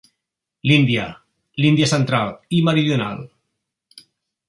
L'Índia, l'Índia central i meridional.